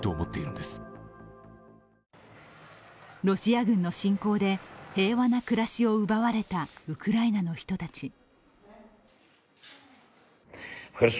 ロシア軍の侵攻で平和な暮らしを奪われたウクライナの人たち。